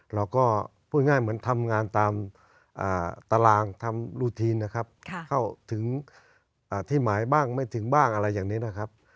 เราก็พูดง่ายเหมือนทำงานตามตารางทำรูทีนนะครับเข้าถึงที่หมายบ้างไม่ถึงบ้างอะไรอย่างนี้นะครับ